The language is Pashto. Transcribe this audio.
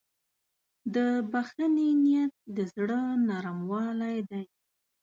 د بښنې نیت د زړه نرموالی دی.